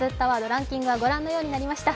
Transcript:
ランキングはご覧のようになりました。